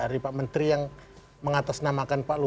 dari pak menteri yang mengatasnamakan pak luhu